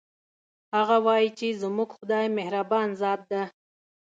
هغه وایي چې زموږ خدایمهربان ذات ده